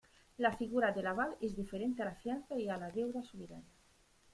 La figura del aval es diferente a la fianza y a la deuda solidaria.